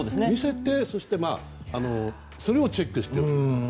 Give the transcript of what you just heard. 見せて、そしてそれをチェックする。